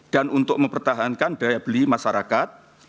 dan untuk mempertahankan daya beli masyarakat